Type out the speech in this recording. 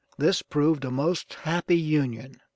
This proved a most happy union.